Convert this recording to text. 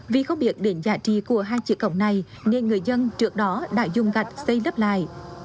vì không biết đến giá trị của hai chỉ cổng này nên người dân trước đó đã dùng gạch xây lấp lại